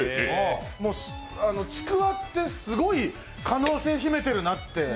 もう、ちくわって、すごい可能性秘めてるなって。